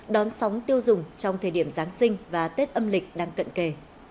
đón sóng tiêu dùng trong thời điểm giáng sinh và tết âm lịch đang cận kề